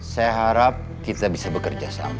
saya harap kita bisa bekerja sama